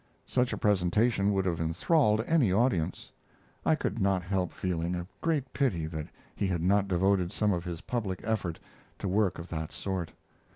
Such a presentation would have enthralled any audience I could not help feeling a great pity that he had not devoted some of his public effort to work of that sort.